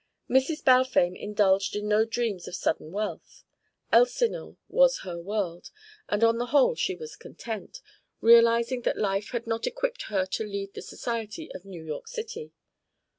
Mrs. Balfame indulged in no dreams of sudden wealth. Elsinore was her world, and on the whole she was content, realising that life had not equipped her to lead the society of New York City.